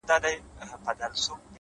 o خدایه هغه مه اخلې زما تر جنازې پوري؛